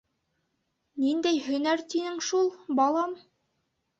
-Ниндәй һөнәр тинең шул, балам?